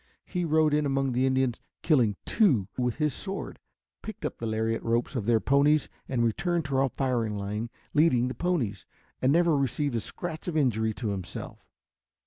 He rode in among the Indians, killing two with his sword, picked up the lariat ropes of their ponies and returned to our firing line leading the ponies, and never received a scratch of injury to himself.